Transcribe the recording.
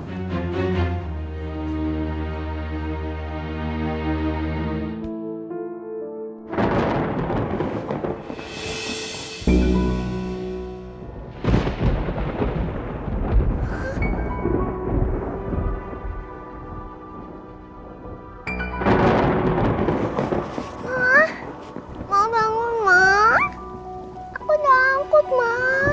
bekerja di perusahaan ini